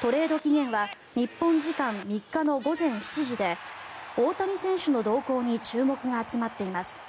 トレード期限は日本時間３日の午前７時で大谷選手の動向に注目が集まっています。